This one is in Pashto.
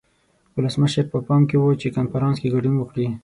ولسمشر په پام کې و چې کنفرانس کې ګډون وکړي.